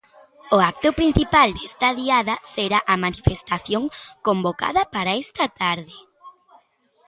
O acto principal desta Diada será a manifestación convocada para esta tarde.